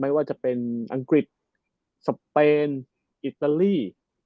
ไม่ว่าจะเป็นอังกฤษสเปนอิตาลี